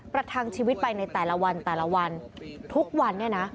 ประทังชีวิตไปในแต่ละวันทุกวันนี่นะ